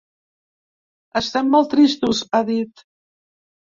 Estem molt tristos, ha dit.